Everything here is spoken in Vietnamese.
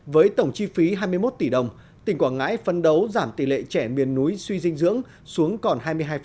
với tổng chi phí hai mươi một tỷ đồng tỉnh quảng ngãi phân đấu giảm tỷ lệ trẻ miền núi suy dinh dưỡng xuống còn hai mươi hai